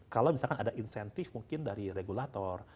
kalau misalkan ada insentif mungkin dari regulator